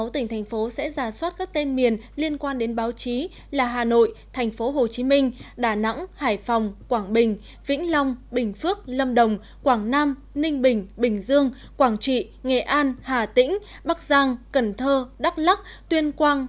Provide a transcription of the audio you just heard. sáu mươi tỉnh thành phố sẽ giả soát các tên miền liên quan đến báo chí là hà nội thành phố hồ chí minh đà nẵng hải phòng quảng bình vĩnh long bình phước lâm đồng quảng nam ninh bình bình dương quảng trị nghệ an hà tĩnh bắc giang cần thơ đắk lắc tuyên quang